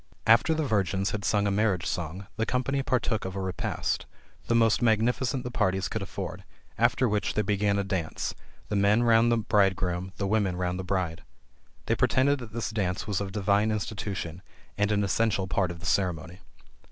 After the virgins had sung a marriage song, the company partook of a repast, the most magnificent the parties could afford; after which they began a dance, the men round the bridegroom, the women round the bride. They pretended that this dance was of divine institution and an essential part of the ceremony.